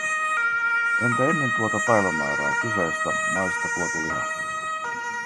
Entä ennen tuota päivämäärää kyseisistä maista tuotu liha?